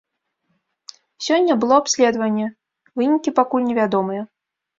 Сёння было абследаванне, вынікі пакуль невядомыя.